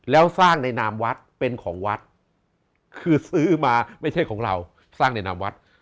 แล้วสร้างในนามวัดเป็นของวัดคือซื้อมาไม่ใช่ของเราสร้างในนามวัด